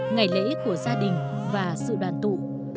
ngày lễ của gia đình và sự đoàn tụ